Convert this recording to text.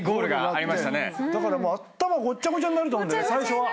だからもう頭ごっちゃごちゃになると思う最初は。